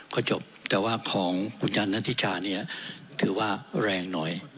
ก็จบแต่ว่าของคุณยันนัทธิชาเนี่ยถือว่าแรงหน่อย